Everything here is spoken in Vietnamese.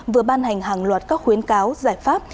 vừa ban hành hàng loạt các khuyến cáo giải pháp